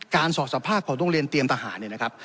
สอบสภาพของโรงเรียนเตรียมทหารเนี่ยนะครับ